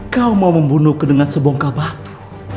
kau mau membunuhku dengan sebongkah batu